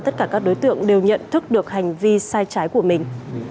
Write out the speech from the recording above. tất cả các đối tượng đều nhận thức được hành vi sai trái của mình